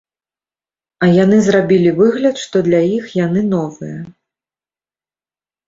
А яны зрабілі выгляд, што для іх яны новыя.